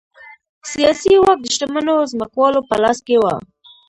سیاسي واک د شتمنو ځمکوالو په لاس کې و